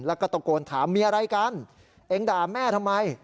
แล้วก็ตะโกนถามเมียอะไรกันเองด่าแม่ทำไม